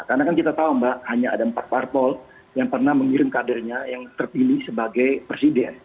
karena kan kita tahu mbak hanya ada empat partol yang pernah mengirim kadernya yang terpilih sebagai presiden